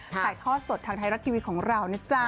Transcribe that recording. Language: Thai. ถ่ายทอดสดทางไทยรัฐทีวีของเรานะจ๊ะ